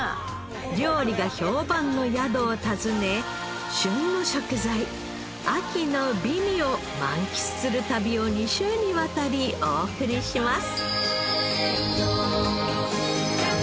料理が評判の宿を訪ね旬の食材秋の美味を満喫する旅を２週にわたりお送りします